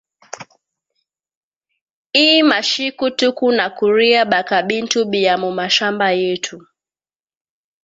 Iyi mashiku tuku na kuria baka bintu bia mu mashamba yetu